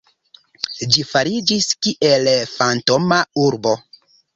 Ĝi fariĝis kiel fantoma urbo.